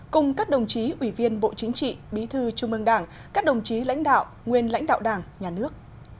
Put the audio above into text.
cùng các đồng chí ủy viên bộ chính trị bí thư trung ương đảng các đồng chí lãnh đạo nguyên lãnh đạo đảng nhà nước